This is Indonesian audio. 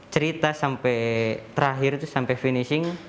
cerita sampai terakhir itu sampai finishing